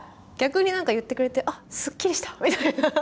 逆になんか言ってくれてあっすっきりしたみたいな。